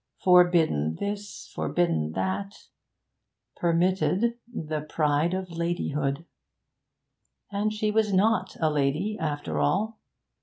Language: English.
Forbidden this, forbidden that; permitted the pride of ladyhood. And she was not a lady, after all.